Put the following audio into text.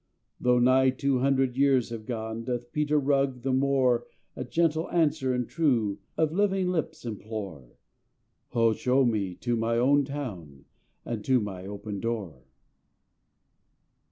Tho' nigh two hundred years have gone, Doth Peter Rugg the more A gentle answer and a true Of living lips implore: "Oh, show me to my own town, And to my open door!"